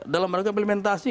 dalam maksudnya implementasi